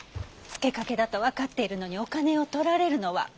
付け掛けだと分かっているのにお金を取られるのは。